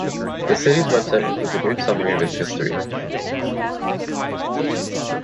The city’s website includes a brief summary of its history.